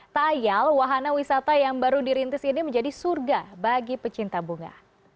tak ayal wahana wisata yang baru dirintis ini menjadi surga bagi pecinta bunga